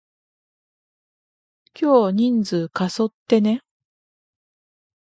今日人数過疎ってね？